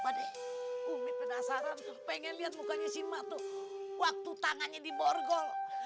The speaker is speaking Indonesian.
apa deh gue penasaran pengen liat mukanya si mak tuh waktu tangannya diborgol